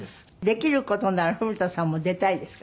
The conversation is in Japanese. できる事なら古田さんも出たいですかね？